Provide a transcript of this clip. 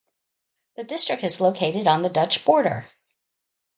The district is located on the Dutch border.